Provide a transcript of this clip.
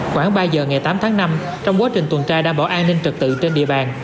khoảng ba giờ ngày tám tháng năm trong quá trình tuần tra đảm bảo an ninh trật tự trên địa bàn